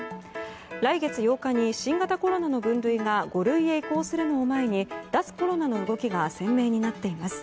来月８日に新型コロナの分類が５類に移行するのを前に脱コロナの動きが鮮明になっています。